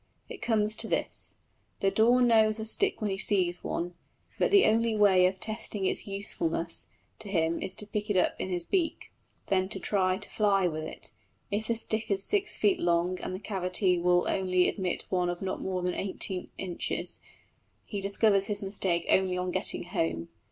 It comes to this: the daw knows a stick when he sees one, but the only way of testing its usefulness to him is to pick it up in his beak, then to try to fly with it. If the stick is six feet long and the cavity will only admit one of not more than eighteen inches, he discovers his mistake only on getting home.